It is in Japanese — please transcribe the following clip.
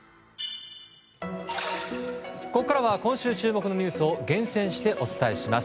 ここからは今週、注目のニュースを厳選してお伝えします。